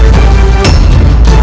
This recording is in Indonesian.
dia tidak membencinya